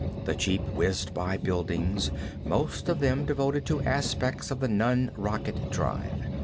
The jeep whizzed by buildings, most of them devoted to aspects of the non rocket drive.